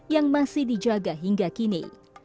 yang masih dijaga hingga kini